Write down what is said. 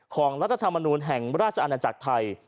รัฐธรรมนูลแห่งราชอาณาจักรไทย